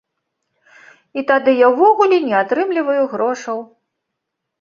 І тады я ўвогуле не атрымліваю грошаў.